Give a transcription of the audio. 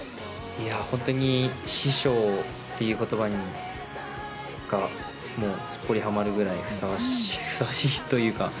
本当に師匠という言葉がすっぽりはまるぐらいふさわしいというか。